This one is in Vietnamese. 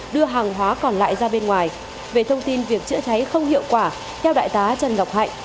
đưa hàng hóa còn lại ra bên ngoài về thông tin việc chữa cháy không hiệu quả theo đại tá trần ngọc hạnh